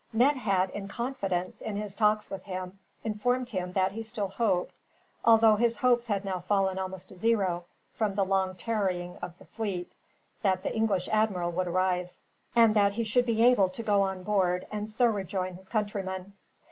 Ned had, in confidence, in his talks with him, informed him that he still hoped, although his hopes had now fallen almost to zero from the long tarrying of the fleet, that the English admiral would arrive; and that he should be able to go on board, and so rejoin his countrymen.